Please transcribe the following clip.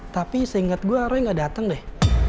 tapi seinget gue roy gak dateng deh